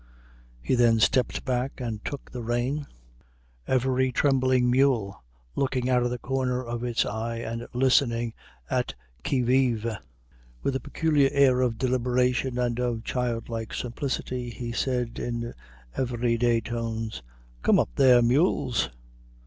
He then stepped back and took the rein, every trembling mule looking out of the corner of its eye and listening at qui vive. With a peculiar air of deliberation and of childlike simplicity, he said in every day tones, "Come up there, mules!"